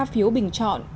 ba phiếu bình chọn